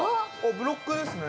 ブロックですね。